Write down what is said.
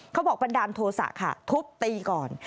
เขาบอกประดานโทษะค่ะทุบตีก่อน